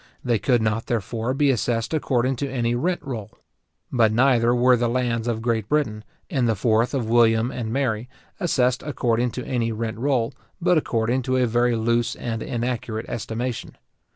They could not, therefore, be assessed according to any rent roll. But neither were the lands of Great Britain, in the 4th of William and Mary, assessed according to any rent roll, but according to a very loose and inaccurate estimation.